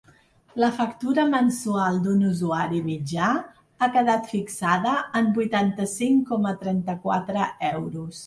La factura mensual d’un usuari mitjà ha quedat fixada en vuitanta-cinc coma trenta-quatre euros.